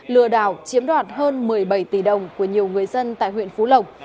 lừa đảo chiếm đoạt hơn một mươi bảy tỷ đồng của nhiều người dân tại huyện phú lộc